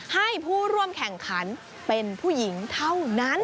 ให้ผู้ร่วมแข่งขันเป็นผู้หญิงเท่านั้น